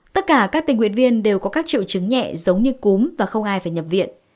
tất cả các tình nguyện viên đều có các triệu chứng nhẹ giống như cúm và không ai phải nhập viện